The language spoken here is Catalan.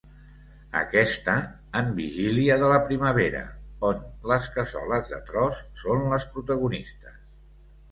Aquesta, en vigília de la primavera, on les cassoles de tros són les protagonistes.